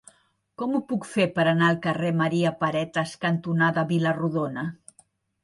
Com ho puc fer per anar al carrer Maria Paretas cantonada Vila-rodona?